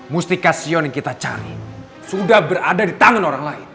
mustika sion yang kita cari sudah berada di tangan orang lain